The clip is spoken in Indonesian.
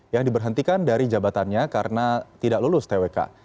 yang diberhentikan dari jabatannya karena tidak lulus twk